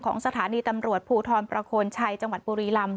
สถานีตำรวจภูทรประโคนชัยจังหวัดบุรีลำ